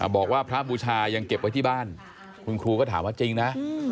บอกว่าพระบูชายังเก็บไว้ที่บ้านคุณครูก็ถามว่าจริงนะ